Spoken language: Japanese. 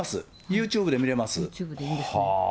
ユーチューブで見れます。